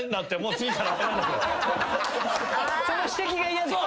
その指摘が嫌で？